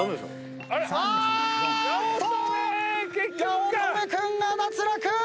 八乙女君が脱落！